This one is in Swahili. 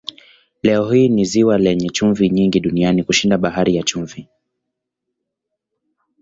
Leo hii ni ziwa lenye chumvi nyingi duniani kushinda Bahari ya Chumvi.